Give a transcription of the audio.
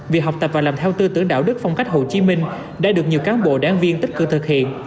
việc học tập và làm theo tư tưởng đạo đức phong cách hồ chí minh đã được nhiều cán bộ đáng viên tích cực thực hiện